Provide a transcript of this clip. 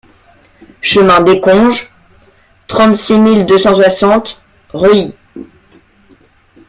Chemin des Conges, trente-six mille deux cent soixante Reuilly